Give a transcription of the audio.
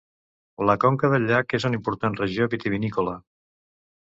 La conca del llac és una important regió vitivinícola.